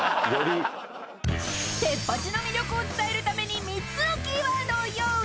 ［『テッパチ！』の魅力を伝えるために３つのキーワードを用意］